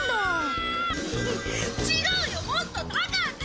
違うよもっと高く！